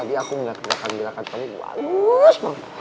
tadi aku ngeliat belakang belakang tapi gue halus mam